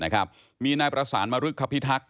นะครับมีนายประสานมารึกคพิทักษ์